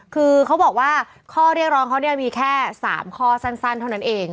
คือเขาบอกว่าข้อเรียกร้องเขาเนี่ยมีแค่๓ข้อสั้นเท่านั้นเอง